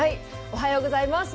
おはようございます。